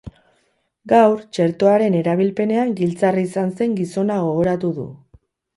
Gaur, txertoaren erabilpenean giltzarri izan zen gizona gogoratu dugu.